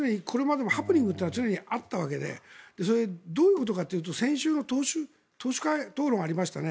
ハプニングって常にあったわけでどういうことかというと先週、党首討論がありましたよね。